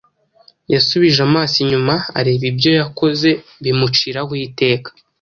Yasubije amaso inyuma areba ibyo yakoze bimuciraho iteka.